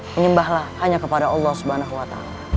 menyembahlah hanya kepada allah swt